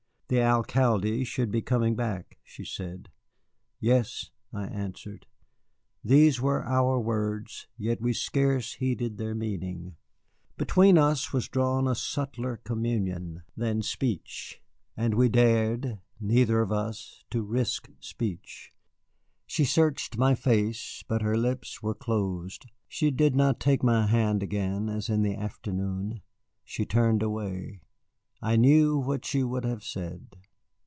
"The Alcalde should be coming back," she said. "Yes," I answered. These were our words, yet we scarce heeded their meaning. Between us was drawn a subtler communion than speech, and we dared neither of us to risk speech. She searched my face, but her lips were closed. She did not take my hand again as in the afternoon. She turned away. I knew what she would have said.